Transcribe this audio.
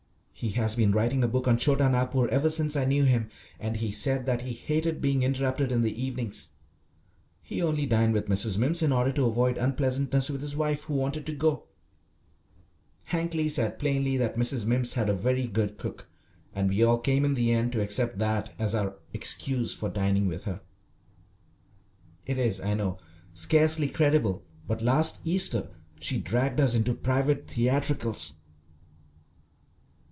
He has been writing a book on Chhota Nagpur ever since I knew him, and he said that he hated being interrupted in the evenings. He only dined with Mrs. Mimms in order to avoid unpleasantness with his wife, who wanted to go. Hankly said plainly that Mrs. Mimms had a very good cook, and we all came in the end to accept that as our excuse for dining with her. It is, I know, scarcely credible, but last Easter she dragged us into private theatricals.